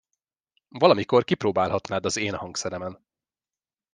Valamikor kipróbálhatnád az én hangszeremen.